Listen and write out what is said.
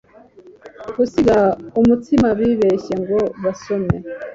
gusiga umutsima bibeshye ngo basome